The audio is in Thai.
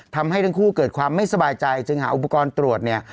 ทำให้ทั้งคู่เกิดความไม่สบายใจจึงหาอุปกรณ์ตรวจเนี่ย